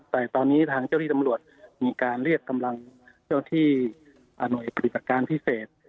แต่ตอนนี้ทางเจ้าที่ตำรวจมีการเรียกกำลังเจ้าที่หน่วยปฏิบัติการพิเศษ